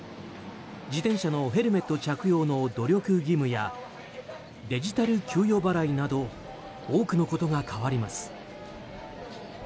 自転車のヘルメット着用の努力義務やデジタル給与払いなど多くのことが変わります。